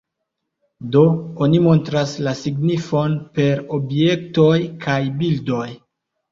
Do: oni montras la signifon per objektoj kaj bildoj.